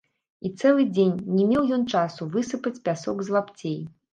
І цэлы дзень не меў ён часу высыпаць пясок з лапцей.